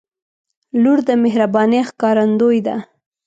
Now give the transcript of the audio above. • لور د مهربانۍ ښکارندوی ده.